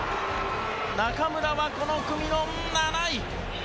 中村はこの組の７位。